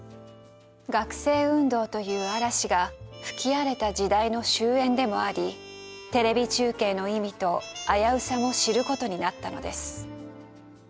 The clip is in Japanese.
学生運動という嵐が吹き荒れた時代の終焉でもありテレビ中継の意味と危うさも知る事になったのです。